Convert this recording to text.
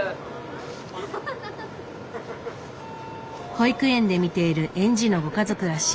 保育園で見ている園児のご家族らしい。